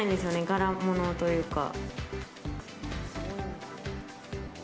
柄物というか。